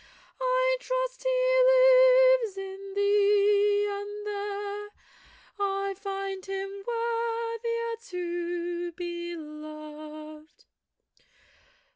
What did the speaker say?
I trust he lives in thee, and there I find him worthier to be loved.